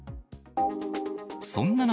そんな中、